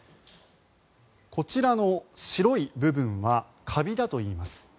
こちらの白い部分はカビだといいます。